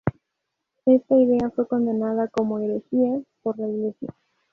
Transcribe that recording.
Esta idea fue condenada como herejía por la Iglesia.